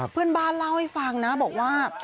เพื่อนบ้านเล่าให้ฟังนะบอกว่า